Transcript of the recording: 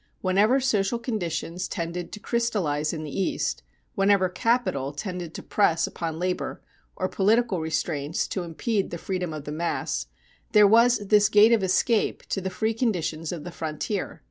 Whenever social conditions tended to crystallize in the East, whenever capital tended to press upon labor or political restraints to impede the freedom of the mass, there was this gate of escape to the free conditions of the frontier.